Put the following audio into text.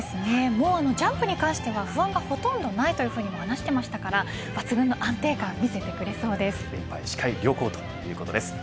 ジャンプに関しては、不安がほとんどないと話していましたから抜群の安定感視界良好ということです。